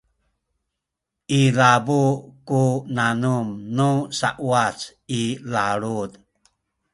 ilabu ku nanum nu sauwac i lalud